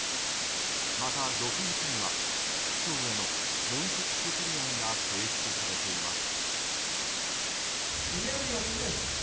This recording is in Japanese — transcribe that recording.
また、６月には市長への問責決議案が提出されています。